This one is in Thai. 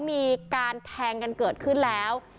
มีการแทงกันเกิดขึ้นแล้ว